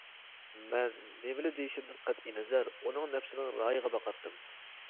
مەن نېمىلا دېيىشىمدىن قەتئىينەزەر ئۇنىڭ نەپسىنىڭ رايىغا باقاتتىم.